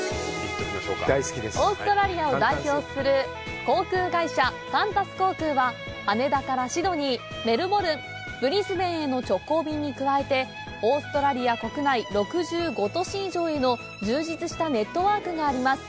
オーストラリアを代表する航空会社カンタス航空は羽田からシドニー、メルボルン、ブリスベンへの直行便に加えて、オーストラリア国内６５都市以上への充実したネットワークがあります。